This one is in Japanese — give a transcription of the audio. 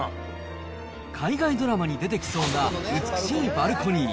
海外ドラマに出てきそうな美しいバルコニー。